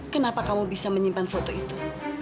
kenapa kamu bisa menyimpan foto itu